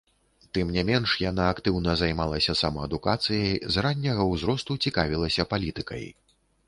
Тым не менш, яна актыўна займалася самаадукацыяй, з ранняга ўзросту цікавілася палітыкай.